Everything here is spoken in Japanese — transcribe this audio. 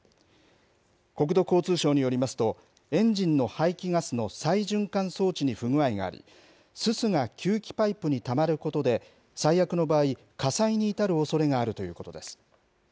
国土交通省によりますと、エンジンの排気ガスの再循環装置に不具合があり、すすが吸気パイプにたまることで最悪の場合、火災に至るおそれがあるということです。